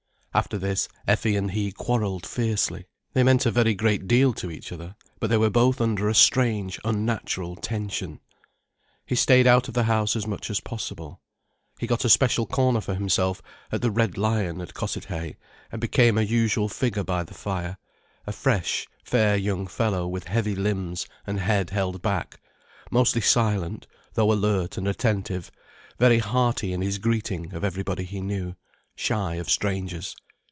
After this, Effie and he quarrelled fiercely. They meant a very great deal to each other, but they were both under a strange, unnatural tension. He stayed out of the house as much as possible. He got a special corner for himself at the "Red Lion" at Cossethay, and became a usual figure by the fire, a fresh, fair young fellow with heavy limbs and head held back, mostly silent, though alert and attentive, very hearty in his greeting of everybody he knew, shy of strangers.